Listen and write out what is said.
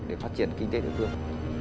để phát triển kinh tế tự thương